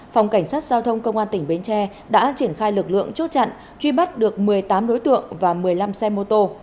phòng cảnh sát giao thông công an tỉnh bến tre đã triển khai lực lượng chốt chặn truy bắt được một mươi tám đối tượng và một mươi năm xe mô tô